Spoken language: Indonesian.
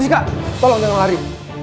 kak tolong jangan lari